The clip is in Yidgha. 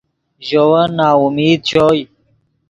ژے ون ناامید چوئے